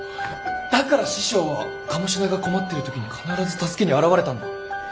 だから師匠は鴨志田が困ってる時に必ず助けに現れたんだ。